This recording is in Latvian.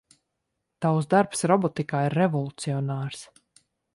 Tavs darbs robotikā ir revolucionārs.